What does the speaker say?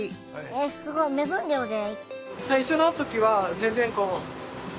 すごい！目分量で？